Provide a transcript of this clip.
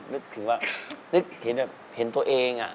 นึกถึงว่านึกเห็นตัวเองอ่ะ